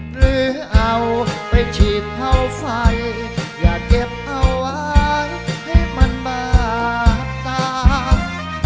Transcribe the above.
หรือเอาไปฉีดเผาไฟอย่าเก็บเอาไว้ให้มันบาดตาง